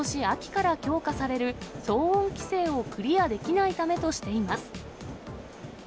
秋から強化される騒音規制をクリアできないためとしています。